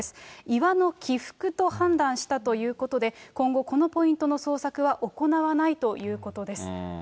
岩の起伏と判断したということで、今後、このポイントの捜索は行わないということです。